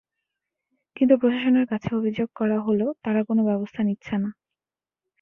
কিন্তু প্রশাসনের কাছে অভিযোগ করা হলেও তারা কোনো ব্যবস্থা নিচ্ছে না।